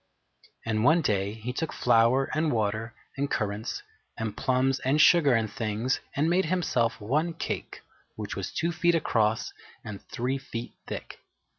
And one day he took flour and water and currants and plums and sugar and things, and made himself one cake which was two feet across and three feet thick.